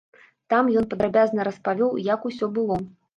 Там ён падрабязна распавёў, як усё было.